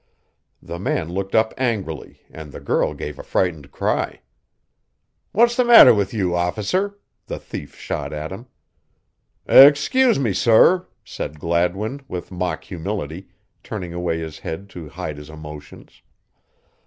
The man looked up angrily and the girl gave a frightened cry. "What's the matter with you, officer?" the thief shot at him. "Excuse me, sorr," said Gladwin, with mock humility, turning away his head to hide his emotions.